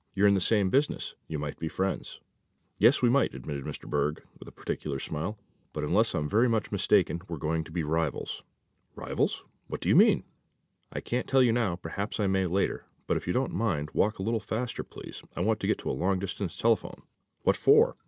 You're in the same business. You might be friends." "Yes, we might," admitted Mr. Berg with a peculiar smile; "but, unless I'm very much mistaken, we're going to be rivals." "Rivals? What do you mean?" "I can't tell you now. Perhaps I may later. But if you don't mind, walk a little faster, please. I want to get to a long distance telephone." "What for?"